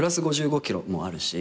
＋５５ｋｇもあるし。